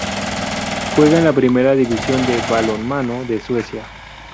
Juega en la primera división de balonmano de Suecia.